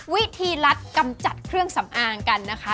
วิธีรัฐกำจัดเครื่องสำอางกันนะคะ